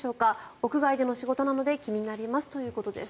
屋外での仕事なので気になりますということです。